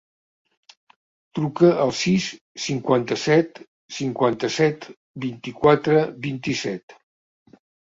Truca al sis, cinquanta-set, cinquanta-set, vint-i-quatre, vint-i-set.